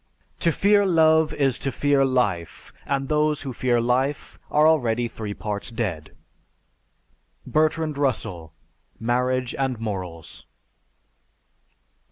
To fear love is to fear life and those who fear life are already three parts dead." (_Bertrand Russell: "Marriage and Morals."